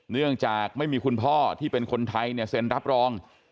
เนื่องจากไม่มีคุณพ่อที่เป็นคนไทยเนี่ยเซ็นรับรอง